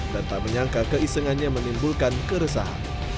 dan tak menyangka keisenganya menimbulkan keresahan